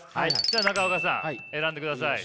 じゃ中岡さん選んでください。